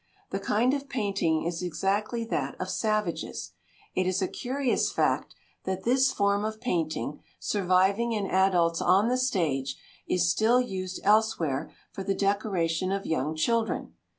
The kind of painting is exactly that of savages. It is a curious fact that this form of painting, surviving in adults on the stage, is still used elsewhere for the decoration of young children.